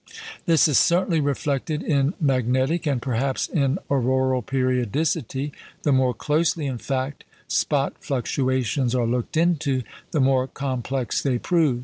This is certainly reflected in magnetic, and perhaps in auroral periodicity. The more closely, in fact, spot fluctuations are looked into, the more complex they prove.